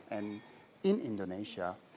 dan di indonesia